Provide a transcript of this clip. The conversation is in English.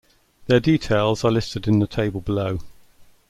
Their details are listed in the table below.